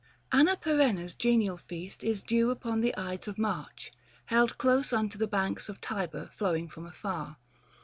Anna Pereuna's genial feast is due Upon the Ides of March ; held close unto The banks of Tiber flowing from afar.